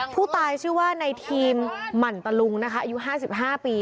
ผู้ตายชื่อว่าในทีมหมั่นตะลุงนะคะอายุ๕๕ปี